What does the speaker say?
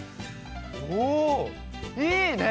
おいいね！